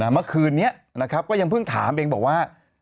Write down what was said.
เมื่อคืนนี้ก็ยังเพิ่งถามบอกว่า